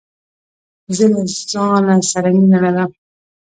زه له ځانه سره مینه لرم.